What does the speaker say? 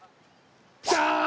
ダーン！